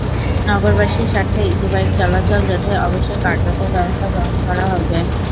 নগরবাসীর স্বার্থে ইজিবাইক চলাচল রোধে অবশ্যই কার্যকর ব্যবস্থা গ্রহণ করা হবে।